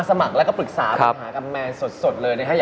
สมัครแล้วก็ปรึกษาครับ